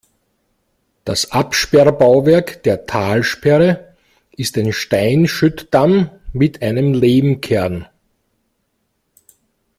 Das Absperrbauwerk der Talsperre ist ein Steinschüttdamm mit einem Lehmkern.